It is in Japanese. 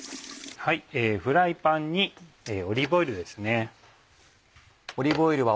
フライパンにオリーブオイルですね。